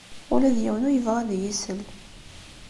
Ula d yiwen ur yebɣi ad iyi-isel.